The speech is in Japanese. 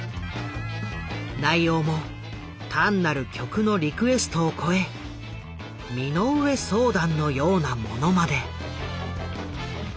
内容も単なる曲のリクエストを超え身の上相談のようなものまで。